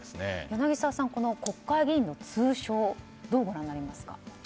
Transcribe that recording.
柳澤さん、国会議員の通称をどうご覧になりますか？